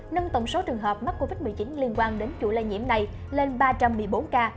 nâng tổng số trường hợp mắc covid một mươi chín liên quan đến chủ lây nhiễm này lên ba trăm một mươi bốn ca